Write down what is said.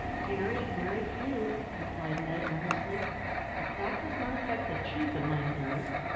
"Very, very few," replied Ned, earnestly; "but that does not affect the truth of my theory.